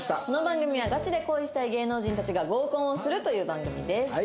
この番組はガチで恋したい芸能人たちが合コンをするという番組です。